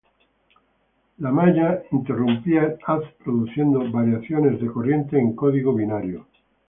La malla interrumpía el haz, produciendo variaciones de corriente en código binario.